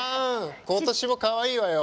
今年もかわいいわよ。